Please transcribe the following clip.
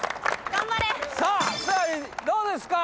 さあどうですか？